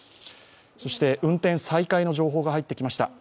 そして運転再開の情報が入ってきました。